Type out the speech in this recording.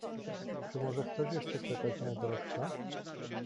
"Czy może chcesz jeszcze czekać, najdroższa?"